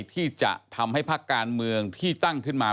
ที่จะทำให้พักการเมืองที่ตั้งขึ้นมา